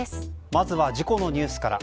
まずは事故のニュースから。